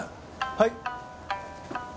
はい。